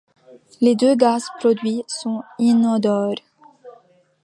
Les deux gaz produits sont inodores.